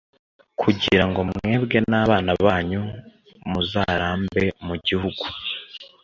kugira ngo mwebwe n’abana banyu muzarambe mu gihugu